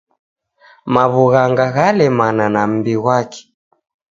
Maw'ughanga ghalemana na mbi ghwake.